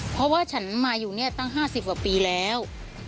เพราะว่าฉันมาอยู่เนี่ยตั้ง๕๐กว่าปีแล้ว